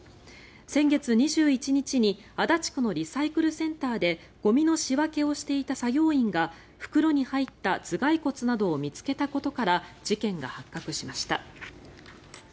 先月２１日に足立区のリサイクルセンターでゴミの仕分けをしていた作業員が袋に入った頭がい骨などを見つけたことから事件が発覚しました。